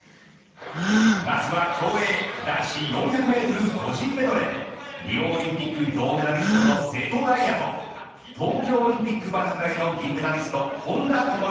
まずは競泳男子４００メートル個人メドレーリオオリンピック銅メダリストの瀬戸大也と東京オリンピックバタフライの銀メダリスト本多灯。